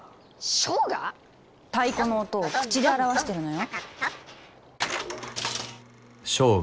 唱歌⁉太鼓の音を口で表してるのよ。